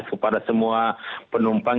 kepada semua penumpang